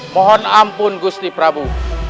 mohon ampun gusti prabu